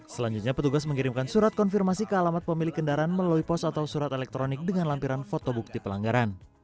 selanjutnya petugas mengirimkan surat konfirmasi ke alamat pemilik kendaraan melalui pos atau surat elektronik dengan lampiran foto bukti pelanggaran